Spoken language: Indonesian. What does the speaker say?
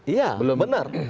iya belum benar